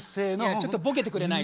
ちょっとボケて下さい。